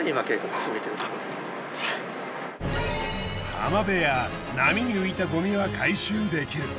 浜辺や波に浮いたごみは回収できる。